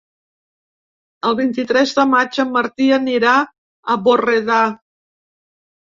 El vint-i-tres de maig en Martí anirà a Borredà.